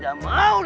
di rumah momi